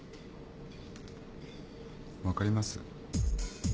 分かります？